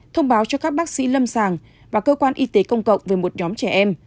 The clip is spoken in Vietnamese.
thông báo cho các bác sĩ lâm sàng và cơ quan y tế công cộng về một nhóm trẻ em